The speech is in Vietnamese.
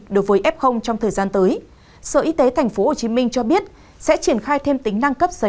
đối với f trong thời gian tới sở y tế tp hcm cho biết sẽ triển khai thêm tính năng cấp giấy